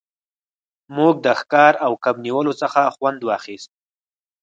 موږ د ښکار او کب نیولو څخه خوند واخیست